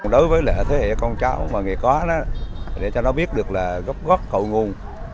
đối với lễ thế hệ con cháu và người có để cho nó biết được gốc gốc cầu nguồn